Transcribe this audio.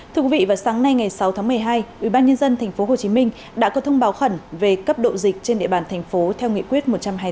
thưa quý vị vào sáng nay ngày sáu tháng một mươi hai ubnd tp hcm đã có thông báo khẩn về cấp độ dịch trên địa bàn thành phố theo nghị quyết một trăm hai mươi tám